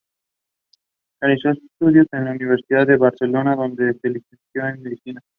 Realizó estudios en la Universidad de Barcelona, donde se licenció en medicina.